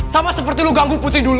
sama seperti lo ganggu putri dulu